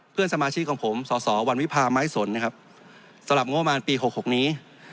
เพื่อนสมาชิกของผมสอสอวันวิพาไม้สนนะครับสำหรับงบประมาณปี๖๖นี้